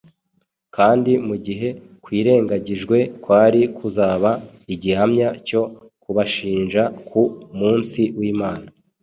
kandi mu gihe kwirengagijwe, kwari kuzaba igihamya cyo kubashinja ku munsi w’Imana.